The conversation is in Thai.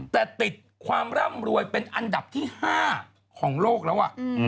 แต่ติดความร่ำรวยเป็นอันดับที่๕ของโลกแล้ว